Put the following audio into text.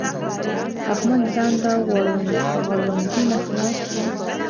احمد ځان د غړوندي نه خلاص کړ.